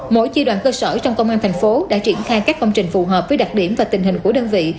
mỗi chi đoàn cơ sở trong công an thành phố đã triển khai các công trình phù hợp với đặc điểm và tình hình của đơn vị